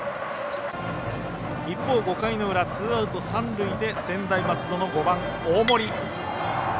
一方、５回の裏ツーアウト、三塁で専大松戸の５番、大森。